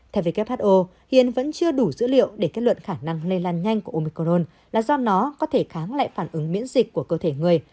theo who hiện vẫn chưa đủ dữ liệu để kết luận khả năng lây lan nhanh của omicron là do nó có thể kháng lại phản ứng miễn dịch của cơ thể người